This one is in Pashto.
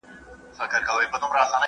مسافر ته سوه پیدا په زړه کي تمه !.